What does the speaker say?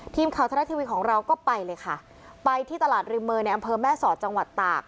ทีมข่าวทะละทีวีของเราก็ไปเลยค่ะไปที่ตลาดริมเมอร์ในอำเภอแม่สอดจังหวัดตาก